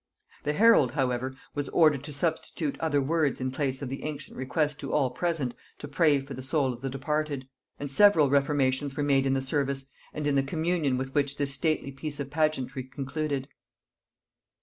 The herald, however, was ordered to substitute other words in place of the ancient request to all present to pray for the soul of the departed; and several reformations were made in the service, and in the communion with which this stately piece of pageantry concluded.